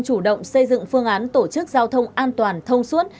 chủ động xây dựng phương án tổ chức giao thông an toàn thông suốt